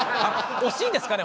惜しいんですかね？